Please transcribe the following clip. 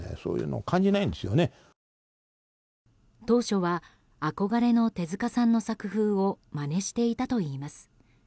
当初は憧れの手塚さんの作風をまねしていたといいます。